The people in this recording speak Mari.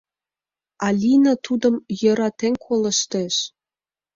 Алина тудым йӧратен колыштеш.